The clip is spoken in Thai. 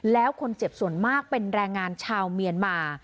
แล้วคนเจ็บส่วนมากเป็นแรงงานชาวเมียนมา